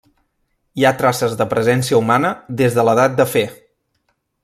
Hi ha traces de presència humana des de l'edat de fer.